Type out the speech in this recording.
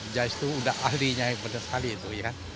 jas itu sudah ahlinya sekali itu ya